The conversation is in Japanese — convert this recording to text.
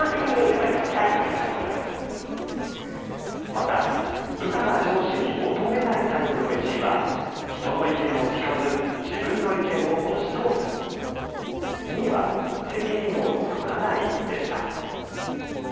また部下が上司に求めないタイプの１位は人の意見を聞かず自分の意見を押し通す２位は、責任を取らないでした。